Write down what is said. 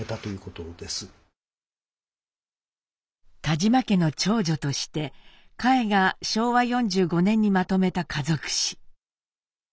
田嶋家の長女として佳惠が昭和４５年にまとめた家族史。